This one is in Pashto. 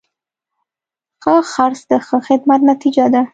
ښه خرڅ د ښه خدمت نتیجه ده.